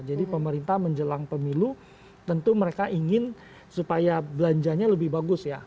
jadi pemerintah menjelang pemilu tentu mereka ingin supaya belanjanya lebih bagus ya